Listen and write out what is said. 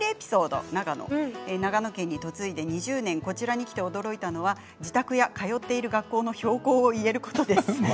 長野県に嫁いで２０年こちらに来て驚いたのは自宅や通っている学校の標高を言えることです。